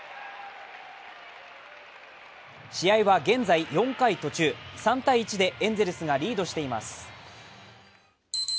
試合は現在４回途中、３ー１でエンゼルスがリードしています。